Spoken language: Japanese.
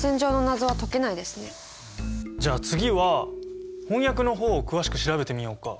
じゃあ次は翻訳の方を詳しく調べてみようか。